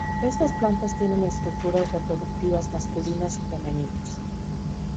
Estas plantas tienen estructuras reproductivas masculinas y femeninas.